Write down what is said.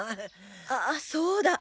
あそうだ。